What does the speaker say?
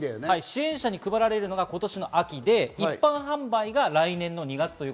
支援者に配られるのが今年の秋で、一般販売が来年２月です。